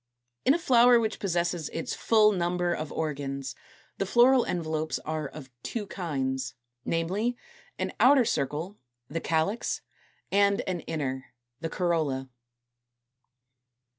In a flower which possesses its full number of organs, the floral envelopes are of two kinds, namely, an outer circle, the CALYX, and an inner, the COROLLA.